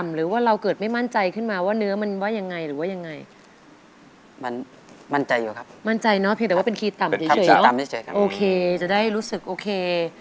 ให้อาหารใก็จะได้รู้สึกโอเค